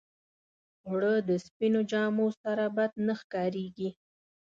اوړه د سپينو جامو سره بد نه ښکارېږي